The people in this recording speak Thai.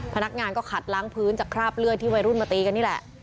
พนักงานก็ขัดล้างพื้นจากคราบเลือดที่วัยรุ่นมาตีกันนี่แหละ